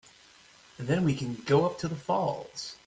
Then we can go up to the falls.